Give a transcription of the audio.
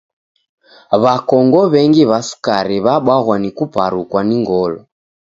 W'akongo w'engi wa sukari w'abwaghwa ni kuparukwa ni ngolo